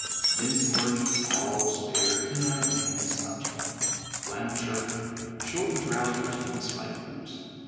Thence emerged a tall, spare, keen eyed man in slouch hat, flannel shirt, shortened trousers and spiked boots.